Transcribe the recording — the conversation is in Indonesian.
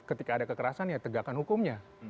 ketika ada kekerasan ya tegakkan hukumnya